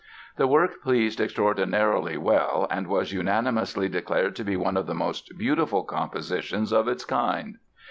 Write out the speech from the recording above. "The work pleased extraordinarily well and was unanimously declared to be one of the most beautiful compositions of its kind".